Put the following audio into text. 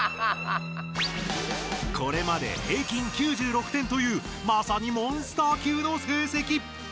これまで平均９６点というまさにモンスター級の成績！